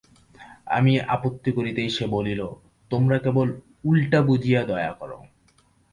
আমি আপত্তি করিতেই সে বলিল, তোমরা কেবলই উলটা বুঝিয়া দয়া কর।